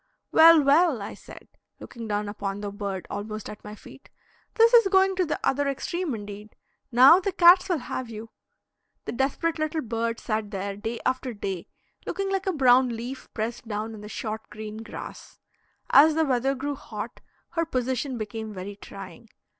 "Well, well," I said, looking down upon the bird almost at my feet, "this is going to the other extreme indeed; now, the cats will have you." The desperate little bird sat there day after day, looking like a brown leaf pressed down in the short green grass. As the weather grew hot, her position became very trying.